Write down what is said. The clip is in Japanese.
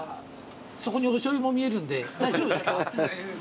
そこにおしょうゆも見えるんで大丈夫ですか？